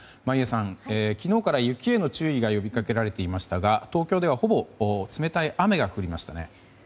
眞家さん、昨日から雪への注意が呼びかけられていましたが東京では、ほぼ冷たい雨が降りましたね。